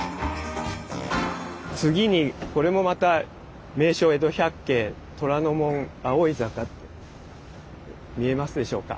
次にこれもまた「名所江戸百景虎の門外あふい坂」って見えますでしょうか。